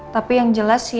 tapi yang jelas siana itu